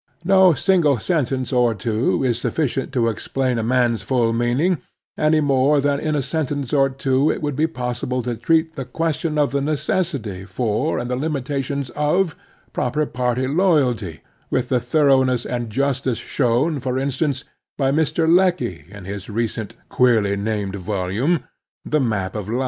No single sentence or two is sufficient to explain a man's full meaning, any more than in a sentence or two it would be possible to treat the question of the necessity for, and the limitations of, proper party loyalty, with the thoroughness and justice shown, for instancy by Mr. Lecky in his recent queerly named YOlumet "The Map of Life."